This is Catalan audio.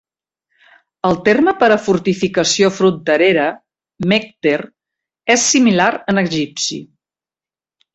El terme per a fortificació fronterera, "mekter", és similar en egipci.